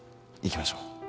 行きましょう。